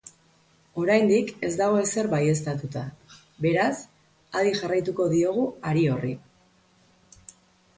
Oraindik ez dago ezer baieztatuta, beraz, adi jarraituko diogu hari horri.